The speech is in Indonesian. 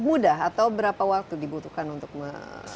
mudah atau berapa waktu dibutuhkan untuk